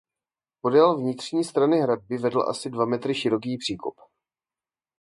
Podél vnitřní strany hradby vedl asi dva metry široký příkop.